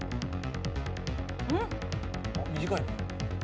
短い。